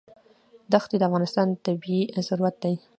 دښتې د افغانستان طبعي ثروت دی.